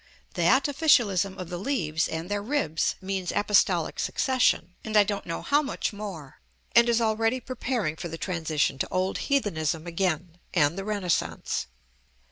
That officialism of the leaves and their ribs means Apostolic succession, and I don't know how much more, and is already preparing for the transition to old Heathenism again, and the Renaissance.